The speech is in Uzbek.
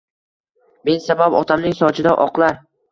Men sabab otamning sochida oqlar